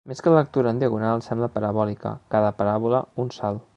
Més que lectura en diagonal sembla parabòlica, cada paràbola un salt.